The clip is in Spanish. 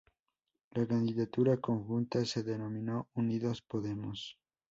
La candidatura conjunta se denominó Unidos Podemos.